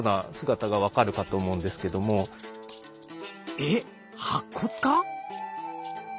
えっ白骨化？